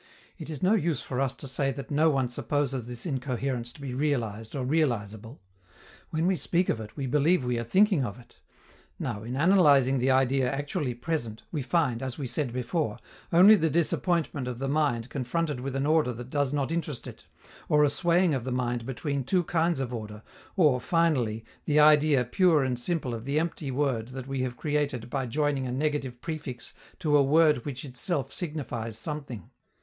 It is no use for us to say that no one supposes this incoherence to be realized or realizable: when we speak of it, we believe we are thinking of it; now, in analyzing the idea actually present, we find, as we said before, only the disappointment of the mind confronted with an order that does not interest it, or a swaying of the mind between two kinds of order, or, finally, the idea pure and simple of the empty word that we have created by joining a negative prefix to a word which itself signifies something.